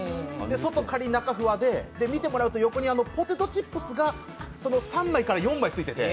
外カリ、中ふわで、見てもらうと分かりますが、横にポテトチップスが３枚から４枚ついている。